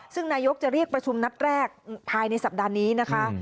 ซึ่งนายกจะเรียกประชุมนัดแรกภายในสัปดาห์นี้นะคะ